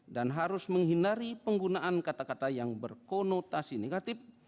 dan harus menghindari penggunaan kata kata yang berkonotasi negatif